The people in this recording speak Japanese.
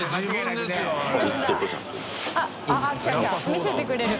見せてくれる。